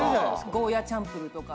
ゴーヤーチャンプルーとか。